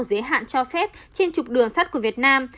dễ hạn cho phép trên chục đường sắt của việt nam